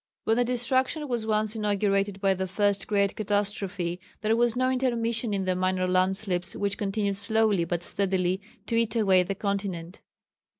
When the destruction was once inaugurated by the first great catastrophe there was no intermission of the minor landslips which continued slowly but steadily to eat away the continent.